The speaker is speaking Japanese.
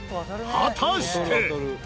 果たして！